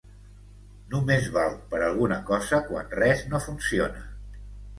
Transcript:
Només valc per alguna cosa quan res no funciona.